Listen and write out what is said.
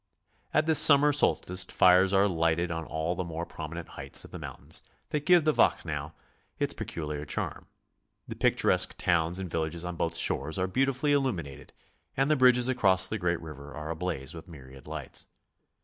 At the summer solstice fires are lighted on all the more prominent heights of the mountains that give the Wachnau its peculiar charm. The picturesque towns and villages on both shores are beau tifully illuminated and the bridges across the great river are ablaze with myriad lights.